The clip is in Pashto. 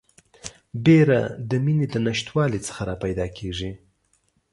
بیره د میني د نشتوالي څخه راپیدا کیږي